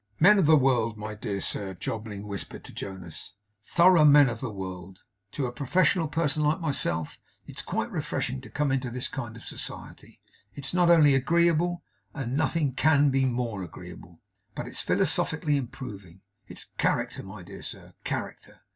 'Men of the world, my dear sir,' Jobling whispered to Jonas; 'thorough men of the world! To a professional person like myself it's quite refreshing to come into this kind of society. It's not only agreeable and nothing CAN be more agreeable but it's philosophically improving. It's character, my dear sir; character!